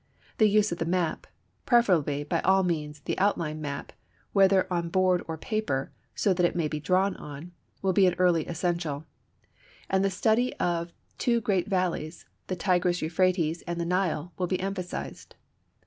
The use of the map (preferably, by all means, the outline map, whether on board or paper, so that it may be drawn on) will be an early essential. And the study of the two great valleys, the Tigris Euphrates and the Nile, will be emphasized.